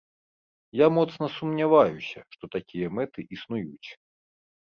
Я моцна сумняваюся, што такія мэты існуюць.